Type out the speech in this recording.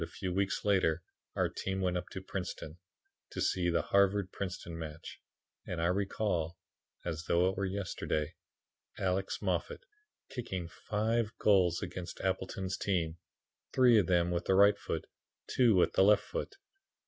A few weeks later our team went up to Princeton to see the Harvard Princeton match and I recall, as though it were yesterday, Alex Moffat kicking five goals against Appleton's team, three of them with the right and two with the left foot.